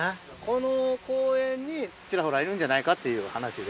この公園にちらほらいるんじゃないかっていう話で。